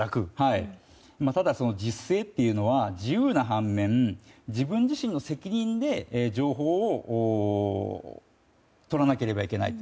ただ、自主性というのは自由な反面自分自身の責任で情報をとらなければいけないと。